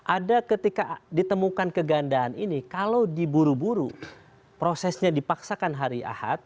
ada ketika ditemukan kegandaan ini kalau diburu buru prosesnya dipaksakan hari ahad